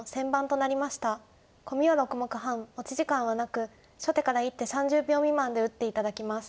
コミは６目半持ち時間はなく初手から１手３０秒未満で打って頂きます。